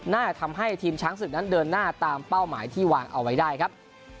น่าจะทำให้ทีมช้างศึกนั้นเดินหน้าตามเป้าหมายที่วางเอาไว้ได้ครับ